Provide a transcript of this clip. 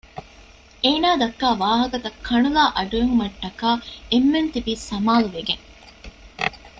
އޭނާ ދައްކާ ވާހަކަތައް ކަނުލާ އަޑުއެހުމައްޓަކާ އެންމެން ތިބީ ސަމާލުވެގެން